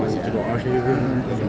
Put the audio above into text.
masih cukup asih gitu